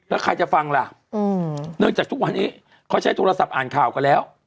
แล้วใครจะฟังล่ะเนื่องจากทุกวันนี้เขาใช้โทรศัพท์อ่านข่าวกันแล้ว